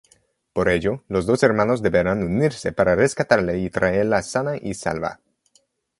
Por ello, los dos hermanos deberán unirse para rescatarla y traerla sana y salva.